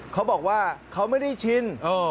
เขาบอกว่าเขาไม่ได้ชิน